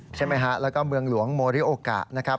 ใช่ไหมฮะแล้วก็เมืองหลวงโมริโอกะนะครับ